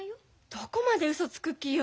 どこまでうそつく気よ。